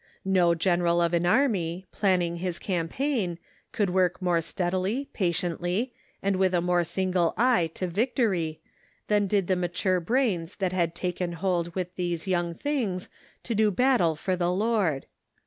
No general of an army, plan ning his campaign, could work more steadily, patiently, and with a more single eye to victory, than did the mature brains that had taken hold with these young things to do battle for the Lord.